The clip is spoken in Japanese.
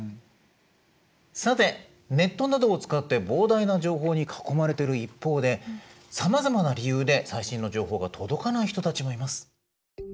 さてネットなどを使って膨大な情報に囲まれてる一方でさまざまな理由で最新の情報が届かない人たちもいます。